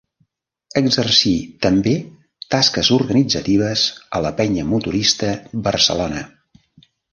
Exercí també tasques organitzatives a la Penya Motorista Barcelona.